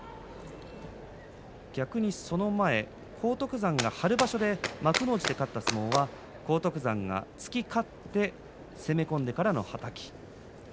逆にその前、荒篤山が春場所で幕内で勝った相撲は荒篤山が突き勝って攻め込んでからのはたき。